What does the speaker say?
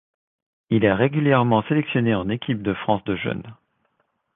Il est régulièrement sélectionné en équipe de France de jeunes.